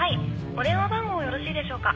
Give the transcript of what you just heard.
お電話番号よろしいでしょうか？